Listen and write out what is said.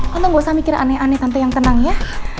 hanta gak usah mikir aneh aneh tante yang tenang ya